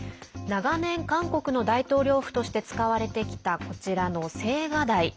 長年、韓国の大統領府として使われてきた、こちらの青瓦台。